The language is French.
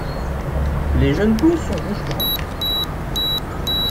Les jeunes pousses sont rouge brun.